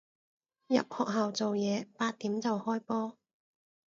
入學校做嘢，八點就開波